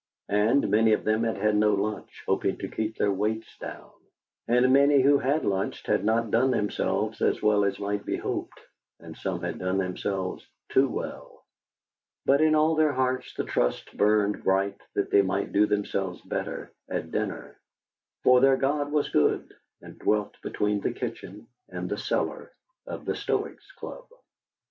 And many of them had had no lunch, hoping to keep their weights down, and many who had lunched had not done themselves as well as might be hoped, and some had done themselves too well; but in all their hearts the trust burned bright that they might do themselves better at dinner, for their God was good, and dwelt between the kitchen and the cellar of the Stoics' Club.